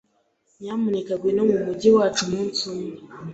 Nyamuneka ngwino mu mujyi wacu umunsi umwe.